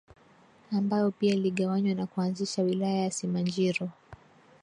ambayo pia iligawanywa na kuanzisha Wilaya ya Simanjiro